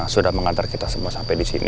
bidangnya abis ini berhasil